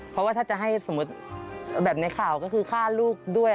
เพราะว่าถ้าจะให้สมมุติแบบในข่าวก็คือฆ่าลูกด้วย